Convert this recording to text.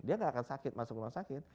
dia tidak akan sakit masuk rumah sakit